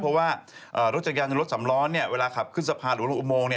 เพราะว่ารถจักรยานรถสำล้อเวลาขับขึ้นสะพานหรือรถอุโมง